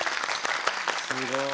すごい。